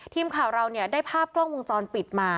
ทีมข่าวเราได้ภาพกล้องวงจรปิดมา